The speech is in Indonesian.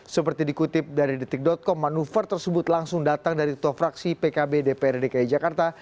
seperti dikutip dari detik com manuver tersebut langsung datang dari ketua fraksi pkb dprd dki jakarta